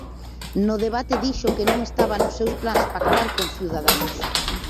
No debate dixo que non estaba nos seus plans pactar con Ciudadanos.